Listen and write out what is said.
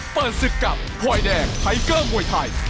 เปิดศึกกับพลอยแดงไทเกอร์มวยไทย